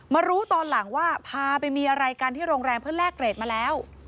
รู้ตอนหลังว่าพาไปมีอะไรกันที่โรงแรมเพื่อแลกเกรดมาแล้ว